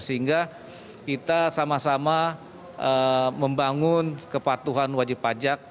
sehingga kita sama sama membangun kepatuhan wajib pajak